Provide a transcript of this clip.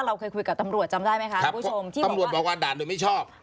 เราเคยคุยกับตำรวจจำได้ไหมคะคุณผู้ชมที่ตำรวจบอกว่าด่านโดยไม่ชอบ